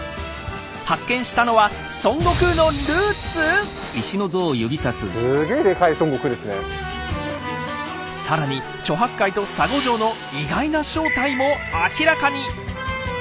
発見したのは更に猪八戒と沙悟淨の意外な正体も明らかに！